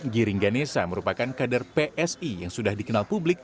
giring ganesa merupakan kader psi yang sudah dikenal publik